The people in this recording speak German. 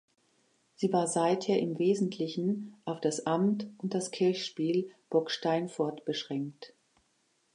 Sie war seither im Wesentlichen auf das Amt und das Kirchspiel Burgsteinfurt beschränkt.